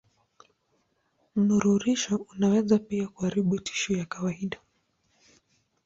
Mnururisho unaweza pia kuharibu tishu ya kawaida.